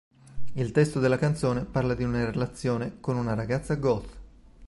Il testo della canzone parla di una relazione con una ragazza "goth".